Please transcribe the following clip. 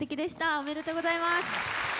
おめでとうございます。